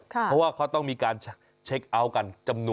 เพราะว่าเขาต้องมีการเช็คอัวกัน